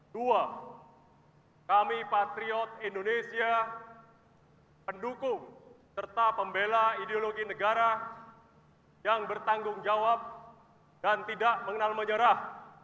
dua kami patriot indonesia pendukung serta pembela ideologi negara yang bertanggung jawab dan tidak mengenal menyerah